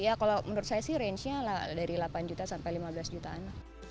ya kalau menurut saya sih range nya dari delapan juta sampai lima belas jutaan